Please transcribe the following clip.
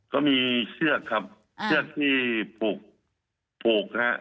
ก็มีเชือกครับเชือกที่ผูกผูกนะฮะ